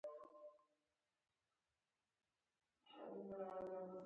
د بیسیواده مشرانو خبرې باید کشران و نه منې